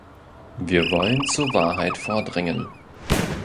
Wir wollen zur Wahrheit vordringen.